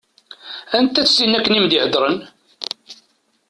Anta-tt tin akken i m-d-iheddṛen?